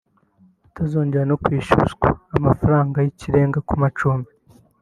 atazongera no kwishyuzwa amafaranga y’ikirenga ku macumbi